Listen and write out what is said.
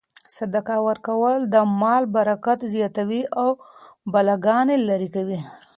صدقه ورکول د مال برکت زیاتوي او بلاګانې لیرې کوي.